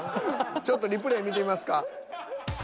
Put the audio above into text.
ちょっとリプレイ見てみますか。